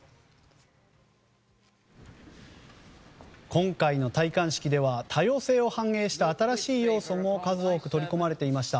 今回の戴冠式では多様性を反映した新しい要素も数多く取り込まれていました。